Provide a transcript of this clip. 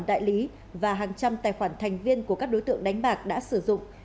một đại lý và hàng trăm tài khoản thành viên của các đối tượng đánh bạc đã sử dụng